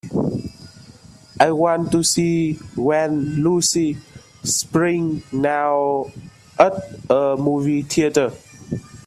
I want to see Wenn Lucy springt now at a movie theatre.